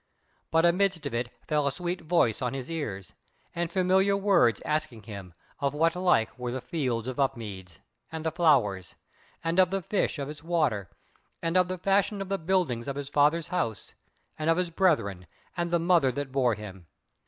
But amidst of it fell a sweet voice on his ears, and familiar words asking him of what like were the fields of Upmeads, and the flowers; and of the fish of its water, and of the fashion of the building of his father's house; and of his brethren, and the mother that bore him.